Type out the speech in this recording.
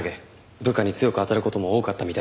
部下に強く当たる事も多かったみたいです。